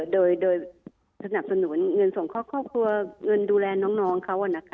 โดยสนับสนุนเงินส่งครอบครัวเงินดูแลน้องเขา